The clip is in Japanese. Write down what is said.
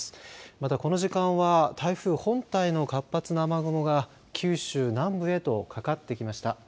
またこの時間は台風本体の活発な雨雲が九州南部へとかかってきました。